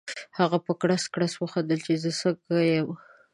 هغه په کړس کړس وخندل چې زه څنګه یم؟